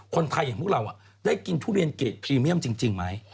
คนไทยอย่างพวกเราได้กินทุเรียนเกรดพรีเมียมจริงไหม